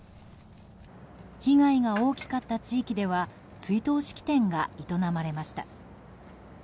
被害が大きかった地域では追悼式典が営まれました。